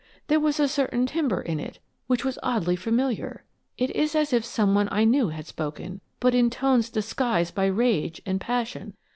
There was a certain timbre in it which was oddly familiar. It is as if some one I knew had spoken, but in tones disguised by rage and passion.